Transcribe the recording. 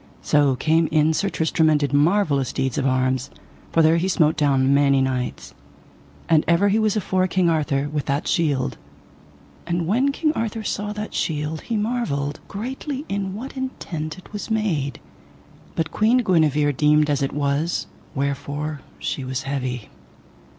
So came in Sir Tristram and did marvellous deeds of arms, for there he smote down many knights. And ever he was afore King Arthur with that shield. And when King Arthur saw that shield he marvelled greatly in what intent it was made; but Queen Guenever deemed as it was, wherefore she was heavy.